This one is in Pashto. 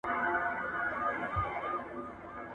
بهرنۍ تګلاره یوازې د فشار لاندې نه ټاکل کيږي.